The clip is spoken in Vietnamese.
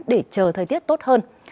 để chờ thời tiết tốt hơn